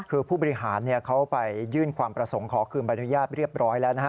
คือผู้บริหารเขาไปยื่นความประสงค์ขอคืนใบอนุญาตเรียบร้อยแล้วนะฮะ